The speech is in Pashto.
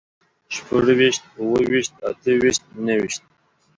شپږ ويشت، اووه ويشت، اته ويشت، نهه ويشت